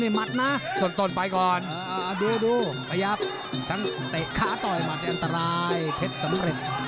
ชั้นตะคั้กปล่อยต่อให้มันอันตรายเพชรสำเร็จ